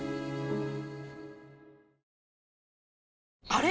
あれ？